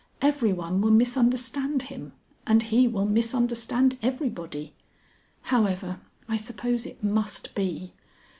Everyone will misunderstand him, and he will misunderstand everybody. However, I suppose it must be.